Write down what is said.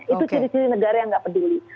itu ciri ciri negara yang nggak peduli